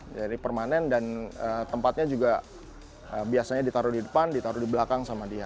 jadi permanen dan tempatnya juga biasanya ditaruh di depan ditaruh di belakang sama dia